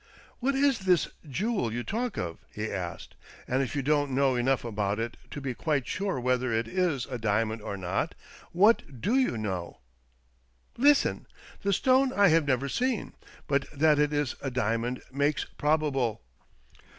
" What is this jewel you talk of?" he asked. "And if you don't know enough about it to be quite sure whether it is a diamond or not, what do you know ?" "Listen! The stone I have never seen; but that it is a diamond makes probable.